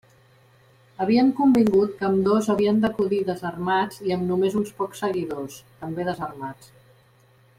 Havien convingut que ambdós havien d'acudir desarmats i amb només uns pocs seguidors, també desarmats.